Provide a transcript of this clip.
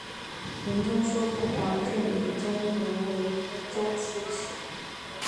文宗说不妨任李宗闵为州刺史。